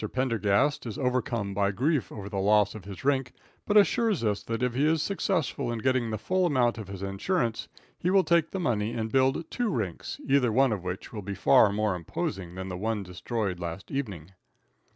Pendergast is overcome by grief over the loss of his rink, but assures us that if he is successful in getting the full amount of his insurance he will take the money and build two rinks, either one of which will be far more imposing than the one destroyed last evening.